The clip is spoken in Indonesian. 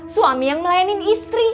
suami yang melayani istri